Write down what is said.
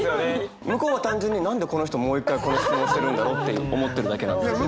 向こうは単純に何でこの人はもう一回この質問をしてるんだろうって思ってるだけなんですけど。